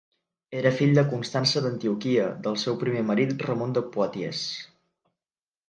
Era fill de Constança d'Antioquia del seu primer marit Ramon de Poitiers.